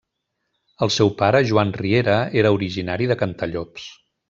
El seu pare, Joan Riera, era originari de Cantallops.